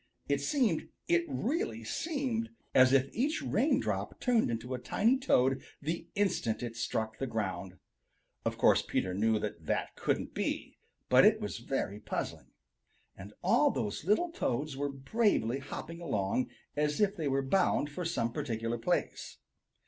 It seemed, it really seemed, as if each raindrop turned into a tiny Toad the instant it struck the ground. Of course Peter knew that that couldn't be, but it was very puzzling. And all those little Toads were bravely hopping along as if they were bound for some particular place.